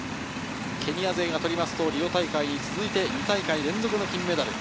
ケニア勢が取るとリオ大会に続いて２大会連続金メダル。